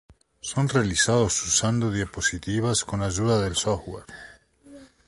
Son realizados usando diapositivas con ayuda del software.